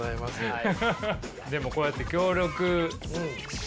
はい。